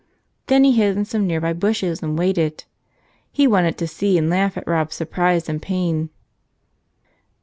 Then he hid in some nearby bushes and waited. He wanted to see and laugh at Rob's surprise and pain.